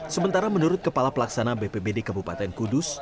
sementara menurut kepala pelaksana bpbd kabupaten kudus